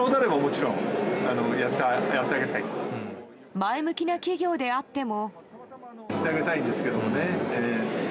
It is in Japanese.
前向きな企業であっても。